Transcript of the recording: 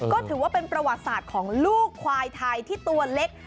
ก็ถือว่าเป็นประวัติศาสตร์ของลูกควายไทยที่ตัวเล็ก